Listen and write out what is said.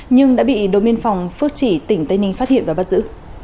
nhưng đã bị đồn biên phòng phước chỉ tỉnh tây ninh phát hiện và bắt giữ